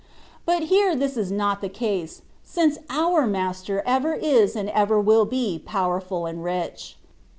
But here this is not the case, since our Master ever is and ever will be powerful and rich.